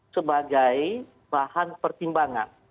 sebagai bahan pertimbangan